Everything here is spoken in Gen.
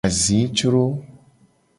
Azicro.